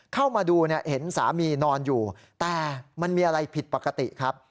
เข้ามาดูเนี่ยเห็นสามีนอนอยู่แต่มันมีอะไรผิดปกติครับ